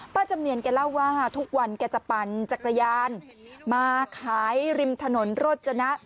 จำเนียนแกเล่าว่าทุกวันแกจะปั่นจักรยานมาขายริมถนนโรจนะ